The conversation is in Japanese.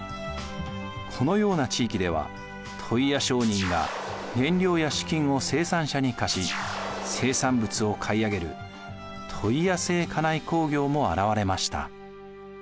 このような地域では問屋商人が原料や資金を生産者に貸し生産物を買い上げる問屋制家内工業も現れました。